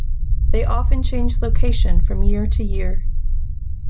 They often change location from year to year.